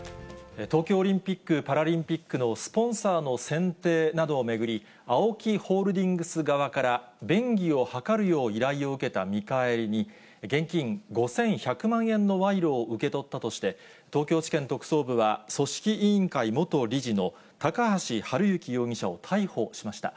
東京オリンピック・パラリンピックのスポンサーの選定などを巡り、ＡＯＫＩホールディングス側から便宜を図るよう依頼を受けた見返りに、現金５１００万円の賄賂を受け取ったとして、東京地検特捜部は、組織委員会元理事の高橋治之容疑者を逮捕しました。